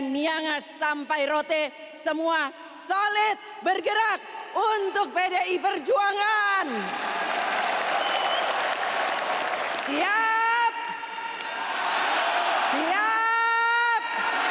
miangas sampai rote semua solid bergerak untuk pdi perjuangan siap